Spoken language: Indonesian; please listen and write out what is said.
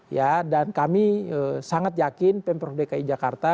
ya dan kami sangat yakin pemprov dki jakarta